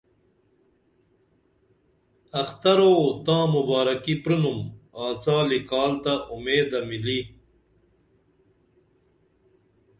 اخترو تاں مبارکی پرینُم آڅالی کال تہ اُمیدہ مِلی